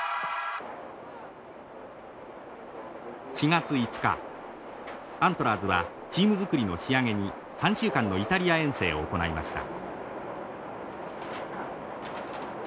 ４月５日アントラーズはチーム作りの仕上げに３週間のイタリア遠征を行いました。